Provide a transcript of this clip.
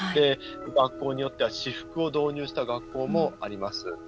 学校によっては私服を導入した学校もあります。